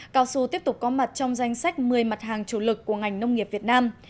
cao su tiếp tục có mặt trong danh sách một mươi mặt hàng chủ lực của ngành nông nghiệp việt nam